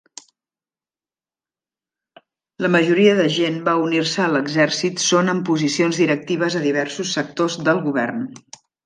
La majoria de gent va unir-se al exercit.són en posicions directives a diversos sectors del govern.